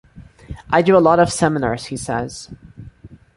"I do a lot of seminars," he says.